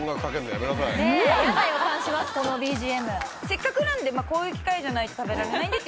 「せっかくなんでこういう機会じゃないと食べられないんで」